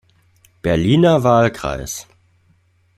Berliner Wahlkreis.